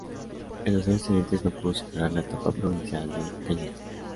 En los años siguientes no pudo superar la Etapa Provincial de Cañete.